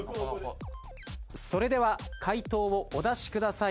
それでは解答をお出しください